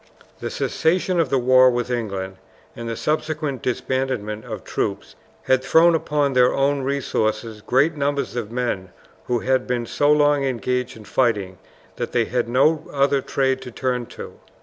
The cessation of the wars with England and the subsequent disbandment of troops had thrown upon their own resources great numbers of men who had been so long engaged in fighting that they had no other trade to turn to.